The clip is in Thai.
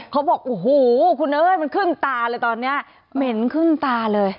เขาบอกโอ้โหคุณเอ้ยมันขึ้นตาเลยตอนนี้เหม็นขึ้นตาเลย